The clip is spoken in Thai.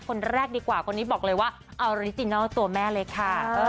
คนแรกดีกว่าคนนี้บอกเลยว่าออริจินัลตัวแม่เล็กค่ะ